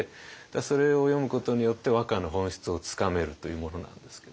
それを読むことによって和歌の本質をつかめるというものなんですけど。